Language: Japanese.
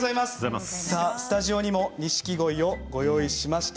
スタジオにもニシキゴイをご用意しました。